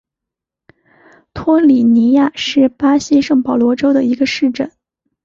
托里尼亚是巴西圣保罗州的一个市镇。